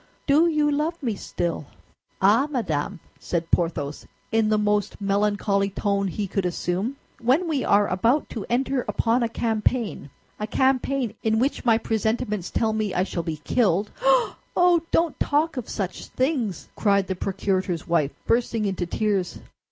Do you love me still?" "Ah, madame," said Porthos, in the most melancholy tone he could assume, "when we are about to enter upon a campaign—a campaign, in which my presentiments tell me I shall be killed—" "Oh, don't talk of such things!" cried the procurator's wife, bursting into tears.